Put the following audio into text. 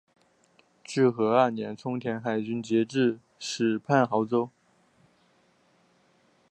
至和二年充镇海军节度使判亳州。